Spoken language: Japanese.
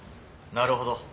なるほど。